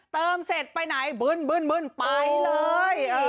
เติมเสร็จไปไหนบึ้นไปเลย